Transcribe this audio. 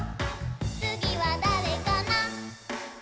「つぎはだれかな？」